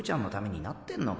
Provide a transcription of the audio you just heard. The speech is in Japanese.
お怒ってんのか？